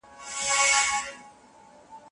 ایا ته د خپل لارښود استاد خبره مني؟